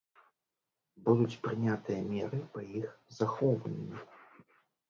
Будуць прынятыя меры па іх захоўванні.